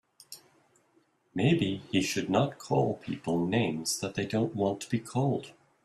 Maybe he should not call people names that they don't want to be called.